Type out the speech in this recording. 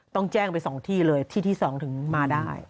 ต้องแจ้งไป๒ที่เลยที่ที่๒ถึงมาได้